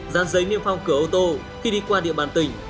gian giấy niêm phong cửa ô tô khi đi qua địa bàn tỉnh